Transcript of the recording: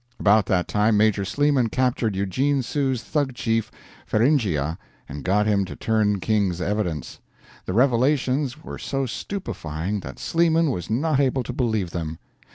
About that time Major Sleeman captured Eugene Sue's Thug chief, "Feringhea," and got him to turn King's evidence. The revelations were so stupefying that Sleeman was not able to believe them.